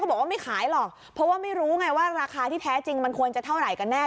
บอกว่าไม่ขายหรอกเพราะว่าไม่รู้ไงว่าราคาที่แท้จริงมันควรจะเท่าไหร่กันแน่